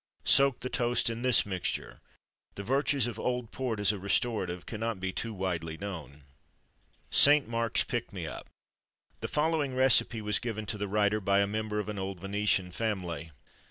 Soak the toast in this mixture. The virtues of old port as a restorative cannot be too widely known. St. Mark's Pick me up. The following recipe was given to the writer by a member of an old Venetian family.